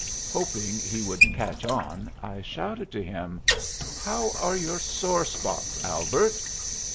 Hoping he would "catch on," I shouted to him, "How are your sore spots, Albert?"